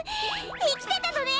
いきてたのね！